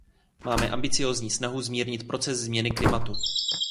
Máme ambiciózní snahu zmírnit proces změny klimatu.